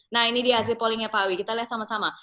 nah ini dia hasil pollingnya pak awi kita lihat sama sama